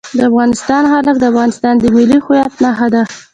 د افغانستان جلکو د افغانستان د ملي هویت نښه ده.